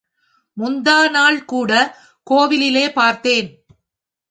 முந்தாநாள் கூட கோவிலிலே பார்த்தேன்.